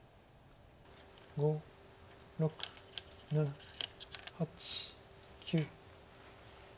５６７８９。